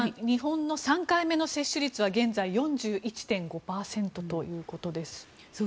日本の３回目の接種率は現在４１．５％ということです。